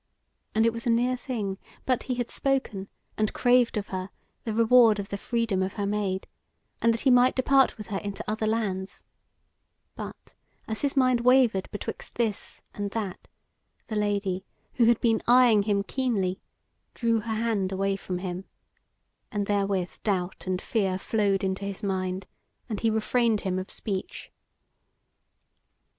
And it was a near thing but he had spoken, and craved of her the reward of the freedom of her Maid, and that he might depart with her into other lands; but as his mind wavered betwixt this and that, the Lady, who had been eyeing him keenly, drew her hand away from him; and therewith doubt and fear flowed into his mind, and he refrained him of speech.